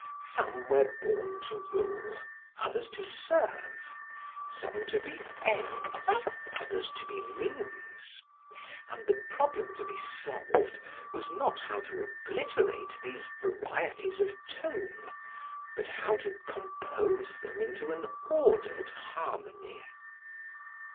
Some were born to rule, others to serve; some to be ends, others to be means; and the problem to be solved was not how to obliterate these varieties of tone, but how to compose them into an ordered harmony.